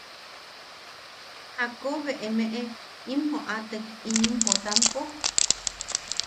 ¿Jakko be emeʼe im joʼatek inim Potampo?